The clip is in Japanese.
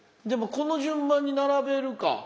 でもこの順番に並べるか。